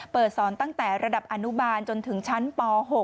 เปิดสอนตั้งแต่ระดับอนุบาลจนถึงชั้นป๖